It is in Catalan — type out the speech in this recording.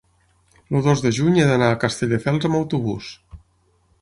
el dos de juny he d'anar a Castelldefels amb autobús.